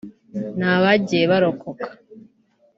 n’abagiye barokoka